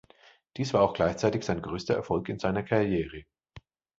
Dies war auch gleichzeitig sein größter Erfolg in seiner Karriere.